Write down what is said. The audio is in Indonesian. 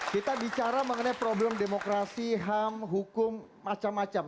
kita bicara mengenai problem demokrasi ham hukum macam macam